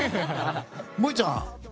萌音ちゃん